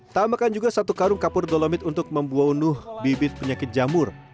tambahkan juga satu karung kapur dolomit untuk membuah unuh bibit penyakit jamur